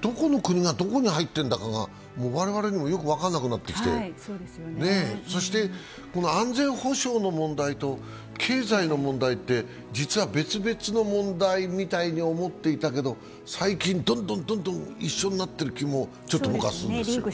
どこの国がどこに入っているんだかが我々にもよく分からなくなってきてそして安全保障の問題と経済の問題って、実は別々の問題みたいに思っていたけど、最近どんどん一緒になってる気もちょっと僕はするんです。